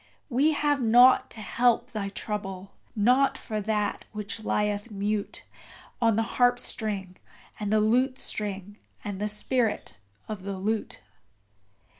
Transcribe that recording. We have nought to help thy trouble nought for that which lieth mute On the harpstring and the lutestring and the spirit of the lute.